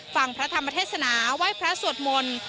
พระธรรมเทศนาไหว้พระสวดมนต์